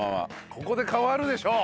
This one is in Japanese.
ここで変わるでしょう。